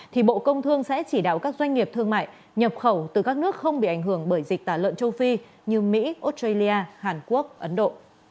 thì bộ công thương sẽ chỉ đạo các doanh nghiệp thương mại nhập khẩu từ các nước không bị ảnh hưởng bởi dịch tả lợn châu phi như mỹ australia hàn quốc ấn độ